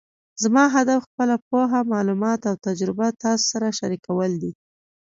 زما هدف خپله پوهه، معلومات او تجربه تاسو سره شریکول دي